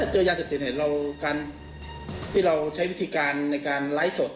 เจอยาเสพติดที่เราใช้วิธีการในการไลฟ์สด